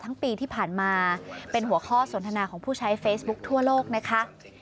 ปีที่ผ่านมาเป็นหัวข้อสนทนาของผู้ใช้เฟซบุ๊คทั่วโลกนะคะ